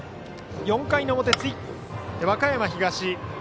４回の表、和歌山東。